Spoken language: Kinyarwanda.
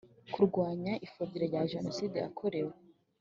kurwanya ipfobya rya jenoside yakorewe